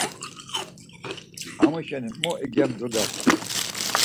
Amu şeni mo igemzuler.